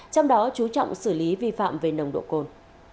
trong đó chú trọng xử lý vi phạm về nồng độ cồn